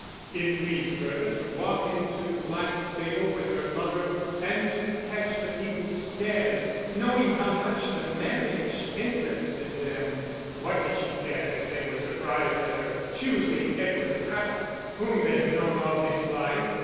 It pleased Bertha to walk into Blackstable with her lover and to catch the people's stares, knowing how much the marriage interested them. What did she care if they were surprised at her choosing Edward Craddock, whom they had known all his life?